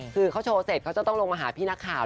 คือเขาโชว์เสร็จเขาจะต้องลงมาหาพี่นักข่าว